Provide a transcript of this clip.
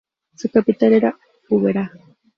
Su capital era Bujará.